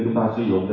chúng tôi cũng học tập